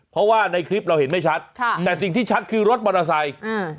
เพราะว่าในคลิปเราเห็นไม่ชัดแต่สิ่งที่ชัดคือรถปั่นอาศัย